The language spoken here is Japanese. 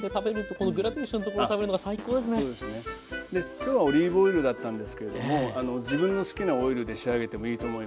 今日はオリーブオイルだったんですけれども自分の好きなオイルで仕上げてもいいと思います。